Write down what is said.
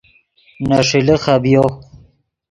نے ݰیلے خبیو